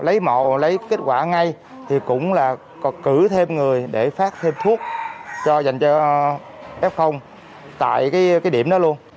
lấy mẫu lấy kết quả ngay thì cũng là cử thêm người để phát thêm thuốc cho dành cho f tại cái điểm đó luôn